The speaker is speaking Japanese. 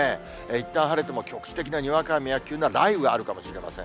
いったん晴れても局地的なにわか雨や急な雷雨があるかもしれません。